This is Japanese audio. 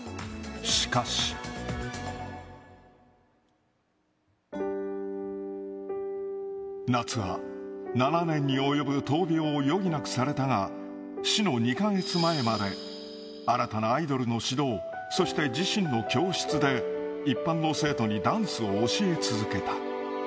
しかし。夏は７年に及ぶ闘病を余儀なくされたが、死の２か月前まで新たなアイドルの指導、そして自身の教室で一般の生徒にダンスを教え続けた。